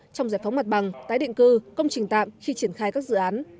trong giải phóng mặt bằng tái định cư công trình tạm khi triển khai các dự án